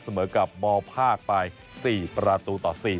เสมอกับมภาคไป๔ประตูต่อ๔